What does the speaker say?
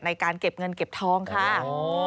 ในการเก็บเงินเก็บทองค่ะ